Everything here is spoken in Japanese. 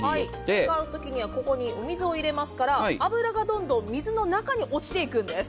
使うときにはお水を入れますから脂がどんどん水の中に落ちていくんです。